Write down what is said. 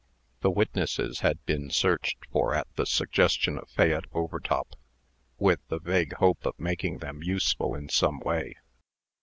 The witnesses had been searched for at the suggestion of Fayette Overtop, with the vague hope of making them useful in some way.